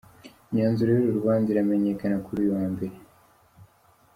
Imyanzuro y’uru rubanza iramenyekana kuri uyu wa mbere.